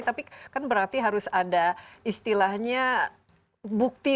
tapi kan berarti harus ada istilahnya bukti